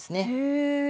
へえ。